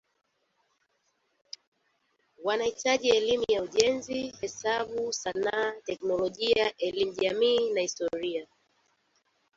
Wanahitaji elimu ya ujenzi, hesabu, sanaa, teknolojia, elimu jamii na historia.